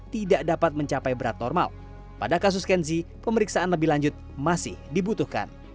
tidak dapat mencapai berat normal pada kasus kenzi pemeriksaan lebih lanjut masih dibutuhkan